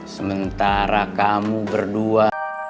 sementara kamu berdua